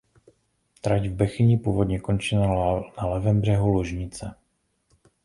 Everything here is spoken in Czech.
Trať v Bechyni původně končila na levém břehu Lužnice.